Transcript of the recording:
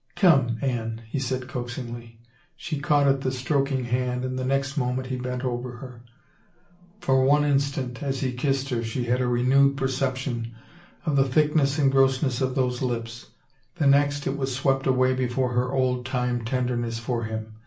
" Come, Anne," he said coaxingly. She caught at the stroking hand and the next moment he bent over her. For one instant, as he kissed her, 272 I THE CHILD she had a renewed perception of the thickness and gross ness of those lips, the next, it was swept away before her old time tenderness for him.